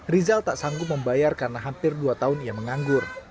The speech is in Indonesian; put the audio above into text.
rizal tak sanggup membayar karena hampir dua tahun ia menganggur